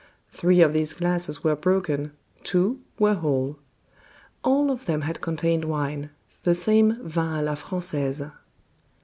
Three of these glasses were broken, two were whole. All of them had contained wine the same vin a la Frangaise.